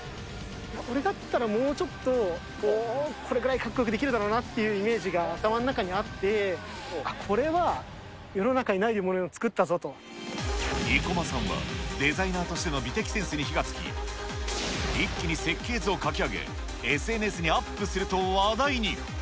俺だったらもうちょっとこれぐらいかっこよくできるだろうなっていうイメージが頭の中にあって、これは、世の中にないものを生駒さんは、デザイナーとしての美的センスに火が付き、一気に設計図を書き上げ、ＳＮＳにアップすると話題に。